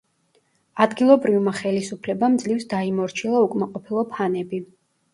ადგილობრივმა ხელისუფლებამ ძლივს დაიმორჩილა უკმაყოფილო ფანები.